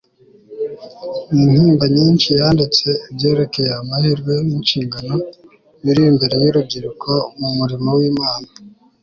n'intimba nyinshi, yanditse ibyerekeye amahirwe n'inshingano biri imbere y'urubyiruko mu murimo w'imana